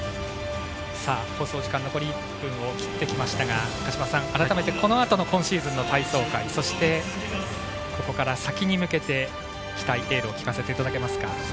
放送時間、残り１分を切ってきましたが鹿島さん、改めてこのあとの今シーズンの体操界そして、ここから先に向けて期待、エールをお願いします。